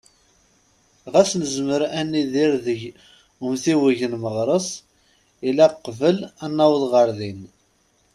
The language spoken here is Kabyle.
Ɣas nezmer ad nidir deg umtiweg n Meɣres, ilaq qbel ad naweḍ ɣer din.